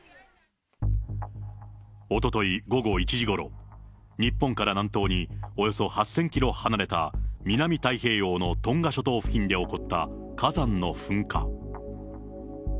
おととい午後１時ごろ、日本から南東におよそ８０００キロ離れた南太平洋のトンガ諸島付近で起こった火山の噴火。